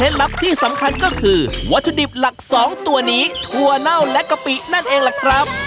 ในช่วงหน้าครับ